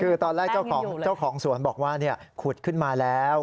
คือตอนแรกเจ้าของสวนบอกว่าขุดขึ้นมาแล้ว